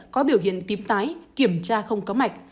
có biểu hiện tím tái kiểm tra không có mạch